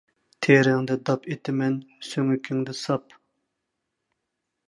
تېرەڭدە داپ ئېتىمەن، سۆڭىكىڭدە ساپ.